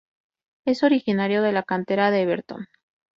Es originario de la cantera de Everton.